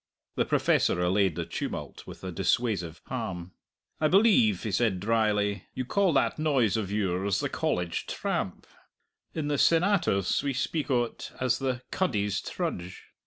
The Professor allayed the tumult with dissuasive palm. "I believe," he said dryly, "you call that noise of yours 'the College Tramp;' in the Senatus we speak o't as 'the Cuddies' Trudge.'